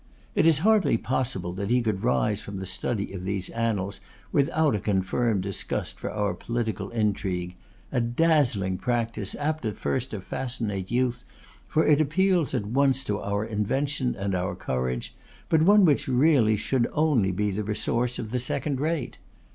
It is hardly possible that he could rise from the study of these annals without a confirmed disgust for political intrigue; a dazzling practice, apt at first to fascinate youth, for it appeals at once to our invention and our courage, but one which really should only be the resource of the second rate.